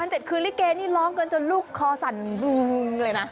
๗คืนลิเกนี่ร้องกันจนลูกคอสั่นบึงเลยนะ